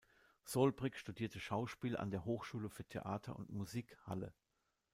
Solbrig studierte Schauspiel an der Hochschule für Theater und Musik Halle.